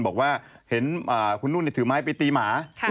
บอกว่าเห็นคุณนุ่นถือไม้ไปตีหมา